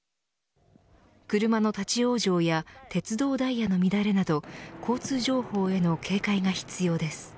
車の立ち往生や鉄道ダイヤの乱れなど交通情報への警戒が必要です。